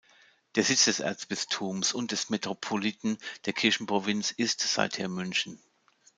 Der Sitz des Erzbistums und des Metropoliten der Kirchenprovinz ist seither München.